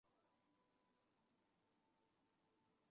他也出演过一些电影。